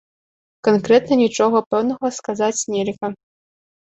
Канкрэтна нічога пэўнага сказаць нельга.